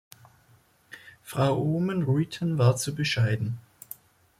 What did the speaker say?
Frau Oomen-Ruijten war zu bescheiden.